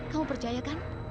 kamu percaya kan